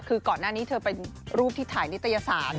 คือก่อนหน้านี้เธอเป็นรูปที่ถ่ายนิตยสาร